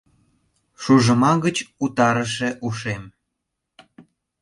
ШУЖЫМА ГЫЧ УТАРЫШЕ УШЕМ